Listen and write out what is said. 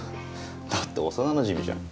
だって幼なじみじゃん。